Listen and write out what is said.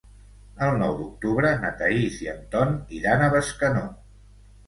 El nou d'octubre na Thaís i en Ton iran a Bescanó.